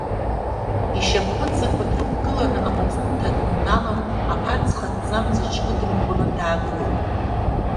Ишьап ԥынҵақәа дрықәгыланы, амаҵурҭа дныҩналан, аԥацха аҭӡамц иҽкыдырӷәӷәаланы даагылеит.